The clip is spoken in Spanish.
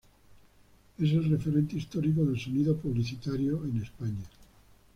Es el referente histórico del sonido publicitario en España.